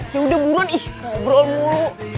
ya udah buruan ih ngobrol mulu